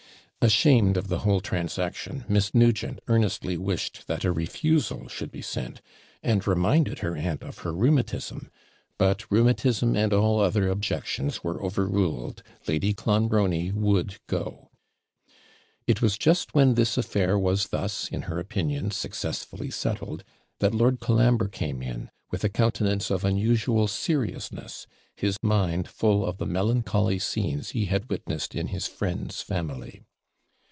Ashamed of the whole transaction, Miss Nugent earnestly wished that a refusal should be sent, and reminded her aunt of her rheumatism; but rheumatism and all other objections were overruled Lady Clonbrony would go. It was just when this affair was thus, in her opinion, successfully settled, that Lord Colambre came in, with a countenance of unusual seriousness, his mind full of the melancholy scenes he had witnessed in his friend's family.